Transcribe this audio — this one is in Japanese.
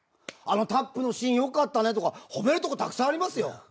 「あのタップのシーンよかったね」とか褒めるとこたくさんありますよ